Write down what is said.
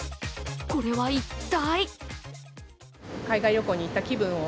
これは一体？